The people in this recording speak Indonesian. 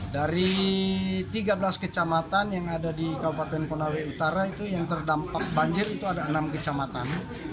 dari tiga belas kecamatan yang ada di kabupaten konawe utara itu yang terdampak banjir itu ada enam kecamatan